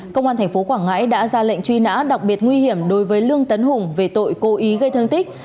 công an tp quảng ngãi đã ra lệnh truy nã đặc biệt nguy hiểm đối với lương tấn hùng về tội cố ý gây thương tích